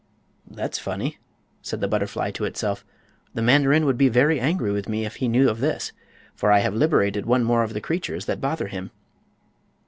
"That's funny," said the butterfly to itself. "The mandarin would be very angry with me if he knew of this, for I have liberated one more of the creatures that bother him."